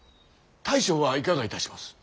大将はいかがいたします。